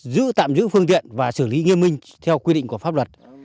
giữ tạm giữ phương tiện và xử lý nghiêm minh theo quy định của pháp luật